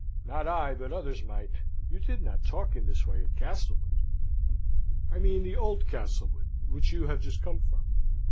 "Not I, but others might. You did not talk in this way at Castlewood? I mean the old Castlewood which you have just come from."